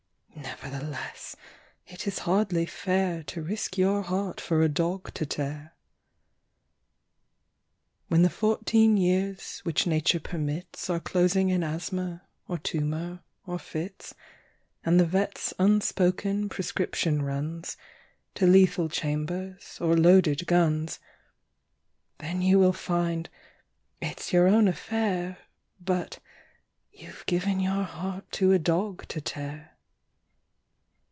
Nevertheless it is hardly fair To risk your heart for a dog to tear. When the fourteen years which Nature permits Are closing in asthma, or tumour, or fits, And the vet's unspoken prescription runs To lethal chambers or loaded guns, Then you will find it's your own affair But... you've given your heart to a dog to tear.